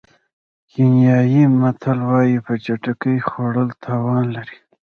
کینیايي متل وایي په چټکۍ خوړل تاوان لري.